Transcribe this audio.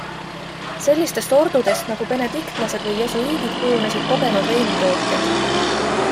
Sellistest ordudest nagu benediktlased või jesuiidid kujunesid kogenud veinitootjad.